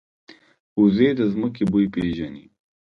وزې د ځمکې بوی پېژني